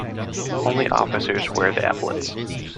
Only officers wear the epaulettes.